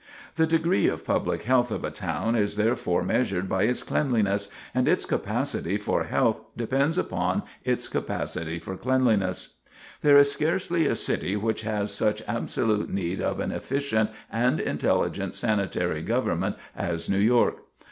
The degree of public health of a town is therefore measured by its cleanliness, and its capacity for health depends upon its capacity for cleanliness. [Sidenote: Importance of Sanitary Government] There is scarcely a city which has such absolute need of an efficient and intelligent sanitary government as New York.